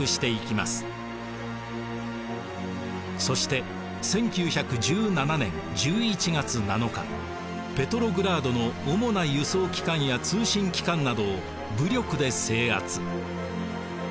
そして１９１７年１１月７日ペトログラードの主な輸送機関や通信機関などを武力で制圧。